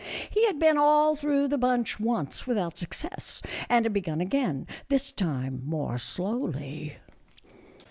He had been all through the bunch once, without success, and had begun again, this time more slowly.